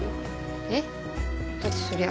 えっ？だってそりゃ。